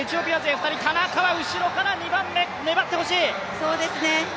田中は後ろから２番目、粘ってほしい！